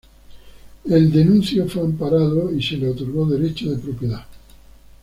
El denuncio fue amparado y se le otorgó derecho de propiedad.